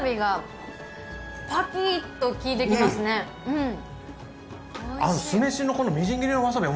うん！